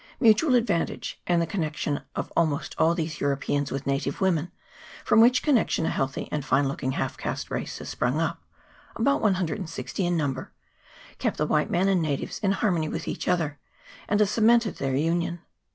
Mutual advantage, and the connection of almost all these Europeans with native women, from which connection a healthy and fine looking half caste race has sprung up (about 160 in number), kept the white men and natives in harmony with each other, and has cemented their union.